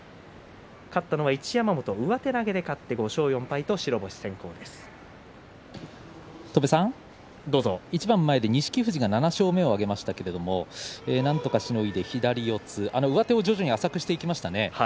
勝ったのは一山本、上手投げで一番前で錦富士が７勝目を挙げましたけれどもなんとかしのいで、左四つあの上手を徐々に浅くしてきましたね。